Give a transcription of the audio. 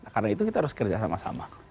karena itu kita harus kerja sama sama